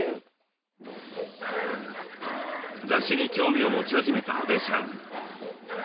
だしに興味を持ち始めた阿部さん。